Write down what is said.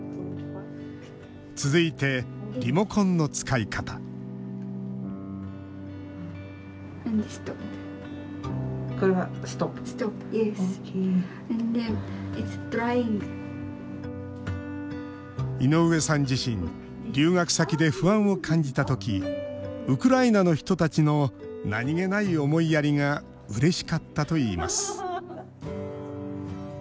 続いて、リモコンの使い方井上さん自身留学先で不安を感じたときウクライナの人たちの何気ない思いやりがうれしかったといいます。